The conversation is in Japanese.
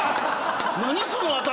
何⁉その頭！